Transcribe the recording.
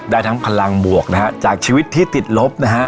ได้ทั้งพลังบวกนะฮะจากชีวิตที่ติดลบนะฮะ